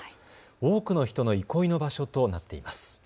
多くの人の憩いの場所となっています。